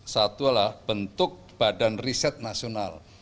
satu adalah bentuk badan riset nasional